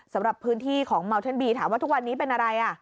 สำหรับพื้นที่ของเมาเทนบีถามว่าทุกวันนี้เป็นอะไร